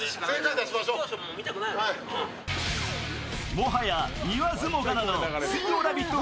もはや言わずもがなの水曜「ラヴィット！」